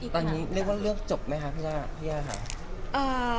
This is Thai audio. ตอนนี้เรียกว่าเลือกจบไหมคะพี่ย่าค่ะ